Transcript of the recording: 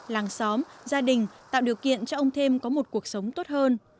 làng xóm gia đình tạo điều kiện cho ông thêm có một cuộc sống tốt hơn